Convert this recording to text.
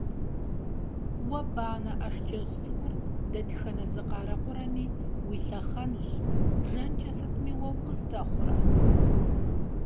Уэ банэ ӀэшкӀэжь цӀыкӀур дэтхэнэ зы къарэкъурэми уилъэхъэнущ, жэнкӀэ сытми уэ укъыздэхъурэ!